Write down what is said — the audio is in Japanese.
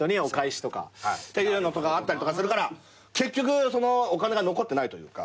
っていうのとかあったりとかするから結局お金が残ってないというか。